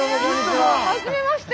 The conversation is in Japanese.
初めまして。